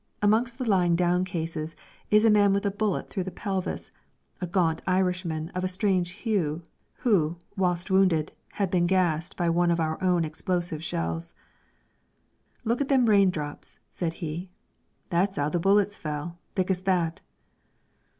Amongst the lying down cases is a man with a bullet through the pelvis, a gaunt Irishman of a strange hue, who, whilst wounded, had been gassed by one of our own explosive shells. "Look at them raindrops," said he. "That's 'ow the bullets fell, thick as that."